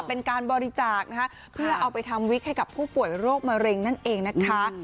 เป็นการบริจาคนะคะเพื่อเอาไปทำวิกให้กับผู้ป่วยโรคมะเร็งนั่นเองนะคะ